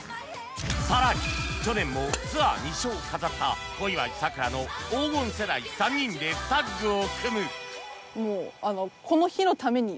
更に去年もツアー２勝を飾った小祝さくらの黄金世代３人でタッグを組む